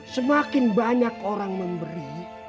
semakin banyak orang memberi